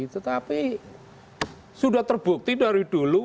tetapi sudah terbukti dari dulu